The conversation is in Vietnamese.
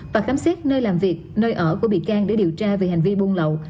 và khám xét nơi làm việc nơi ở của bị can để điều tra về hành vi buôn lậu